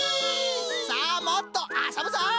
さあもっとあそぶぞい！